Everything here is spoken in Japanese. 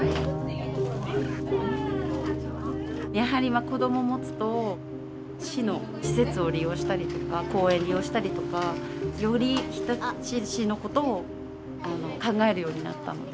やはり今子ども持つと市の施設を利用したりとか公園利用したりとかより日立市のことを考えるようになったので。